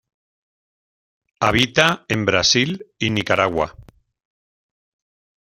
Habita en Brasil y Nicaragua.